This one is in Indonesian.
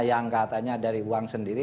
yang katanya dari uang sendiri